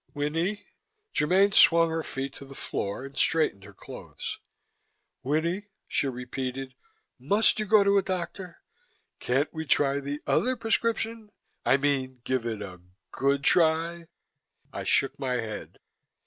"Winnie!" Germaine swung her feet to the floor and straightened her clothes. "Winnie," she repeated, "must you go to a doctor? Can't we try the other prescription I mean, give it a good try?" I shook my head.